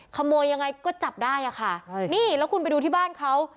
ขโมยยังไงก็จับได้อะค่ะนี่แล้วคุณไปดูที่บ้านเขา